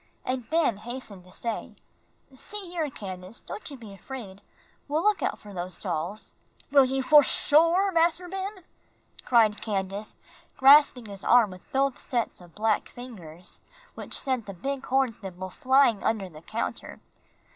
And Ben hastened to say, "See here, Candace, don't you be afraid; we'll look out for those dolls." "Will you for shore, Mas'r Ben?" cried Candace, grasping his arm with both sets of black fingers, which sent the big horn thimble flying off under the counter.